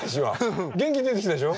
元気出てきたでしょ？